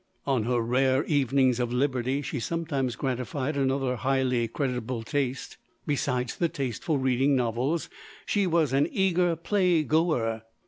On her rare evenings of liberty, she sometimes gratified another highly creditable taste, besides the taste for reading novels. She was an eager play goer.